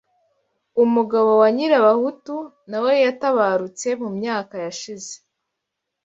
Umugabo wa Nyirabahutu nawe yatabarutse mu myaka yashize